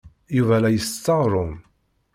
Yuba la isett aɣrum.